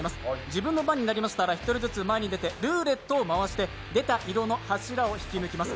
自分の番になりましたら、１人ずつ前に出て、ルーレットを回して、出た色の柱を引き抜きます。